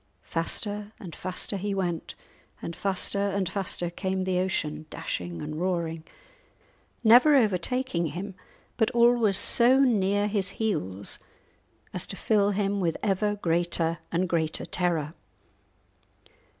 Faster and faster he went, and faster and faster came the ocean, dashing and roaring, never overtaking him, but always so near his heels as to fill him with ever greater and greater terror.